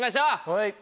はい。